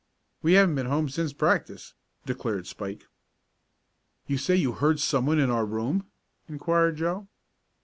"We haven't been home since practice," declared Spike. "You say you heard someone in our room?" inquired Joe.